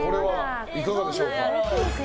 いかがでしょうか。